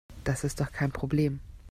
Das ist doch kein Problem.